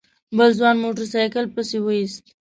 بل ځوان موټر سايکل پسې ويست.